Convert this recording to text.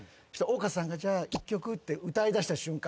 丘さんが「じゃあ１曲」って歌いだした瞬間